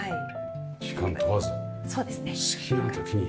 時間問わず好きな時に入ると。